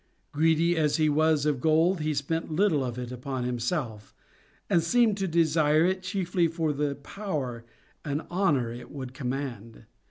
Greedy as he was of gold, he spent little of it upon himself, and seemed to desire it chiefly for the power and honor it would command.